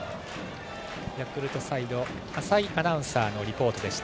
ヤクルトサイド浅井アナウンサーのリポートでした。